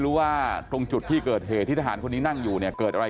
ว่าตรงจุดที่เกิดเหตุที่ทหารคนนี้นั่งอยู่เนี่ยเกิดอะไร